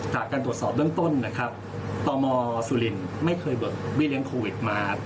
จากการตรวจสอบเบื้องต้นนะครับตมสุรินไม่เคยบี้เลี้ยงโควิดมา